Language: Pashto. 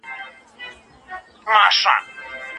هغه غوښتل چې د نړۍ ټول ماشومان ماړه وي.